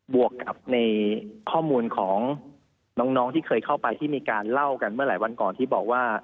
วกกับในข้อมูลของน้องที่เคยเข้าไปที่มีการเล่ากันเมื่อหลายวันก่อนที่บอกว่า